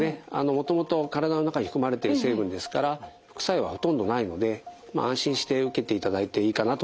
もともと体の中に含まれてる成分ですから副作用はほとんどないので安心して受けていただいていいかなと思います。